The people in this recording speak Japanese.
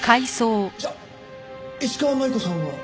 じゃあ石川真悠子さんは。